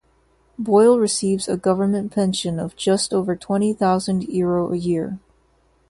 Boyle receives a government pension of just over twenty thousand euro a year.